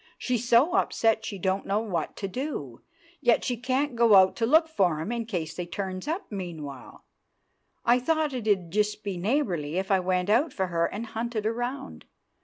She's so upset she don't know what to do, yet she can't go out to look for 'em in case they turns up meanwhile. I thought it 'ud be just neighbourly if I went out for her and hunted around.